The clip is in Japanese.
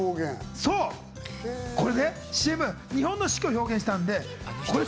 これね、ＣＭ、日本の四季を表現したんでね。